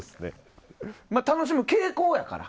楽しむ傾向やから。